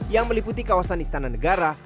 yang meliputi kawasan istana negara